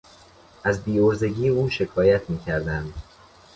از بیعرضگی او شکایت میکردند.